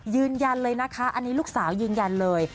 ยืนยันเลยนะคะอันนี้ลูกสาวยืนยันเลย